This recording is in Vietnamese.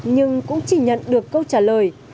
nhưng cũng chỉ nhận được câu trả lời